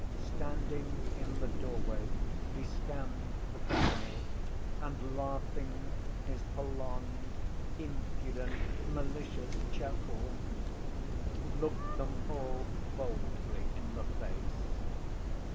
Standing in the doorway, he scanned the company, and laughing his prolonged, impudent, malicious chuckle, looked them all boldly in the face.